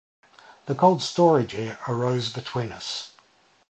A cold-storage air arose between us.